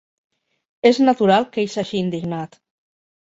És natural que ell s'hagi indignat.